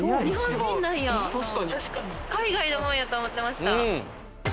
海外のもんやと思ってました。